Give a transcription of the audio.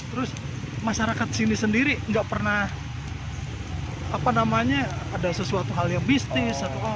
terus masyarakat sini sendiri nggak pernah ada sesuatu hal yang mistis atau apa